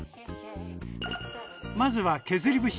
まずは削り節。